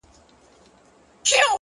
روښانه نیت روښانه پایله راوړي